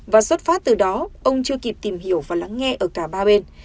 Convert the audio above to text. và xuất phát từ đó ông chưa kịp tìm hiểu và lắng nghe ở cả ba bên